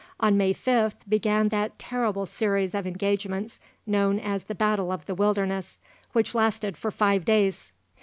On May 5th began that terrible series of engagements known as the Battle of the Wilderness, which lasted for five days.